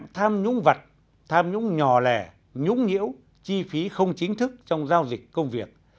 tham nhũng vật tham nhũng nhỏ lẻ nhũng nhiễu chi phí không chính thức trong giao dịch công việc